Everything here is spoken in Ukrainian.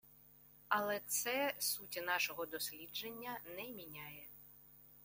Але це суті нашого дослідження не міняє